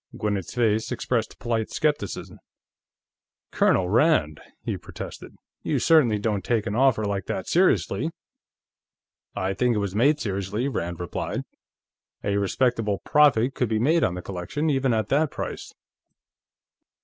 Gwinnett's face expressed polite skepticism. "Colonel Rand!" he protested. "You certainly don't take an offer like that seriously?" "I think it was made seriously," Rand replied. "A respectable profit could be made on the collection, even at that price."